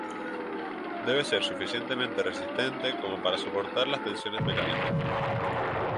Debe ser suficientemente resistente como para soportar las tensiones mecánicas.